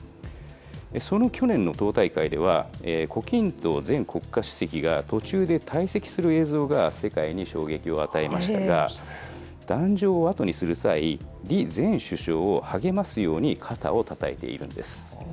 その去年の党大会では、胡錦涛前国家主席が途中で退席する映像が世界に衝撃を与えましたが、壇上を後にする際、李前首相を励ますように肩をたたいているんです。